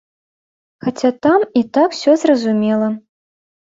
Хаця там і так усё зразумела.